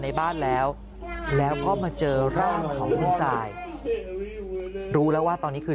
ในบ้านแล้วแล้วก็มาเจอร่างของคุณสายรู้แล้วว่าตอนนี้คือ